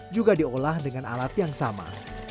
juga diolah dengan alat yang sama